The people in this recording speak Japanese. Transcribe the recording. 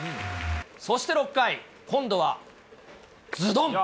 そして６回、今度はずどん！